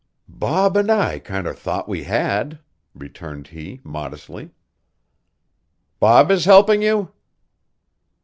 "Bob an' I kinder thought we had," returned he modestly. "Bob is helping you?"